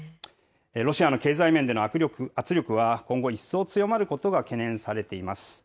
ロシアの経済面での圧力は今後一層、強まることが懸念されています。